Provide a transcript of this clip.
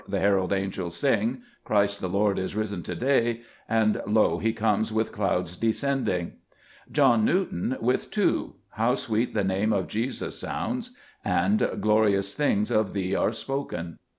the herald angels sing," " Christ the Lord is risen to day," and " Lo ! He comes with clouds descending." John Newton, with two, — "How sweet the Name of Jesus sounds," and "Glorious things of thee are spoken."